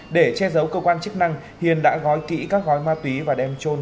để che giấu cơ quan chức năng hiền đã gói kỹ các gói ma túy và đem trôn